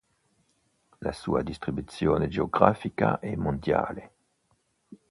La sua distribuzione geografica è mondiale.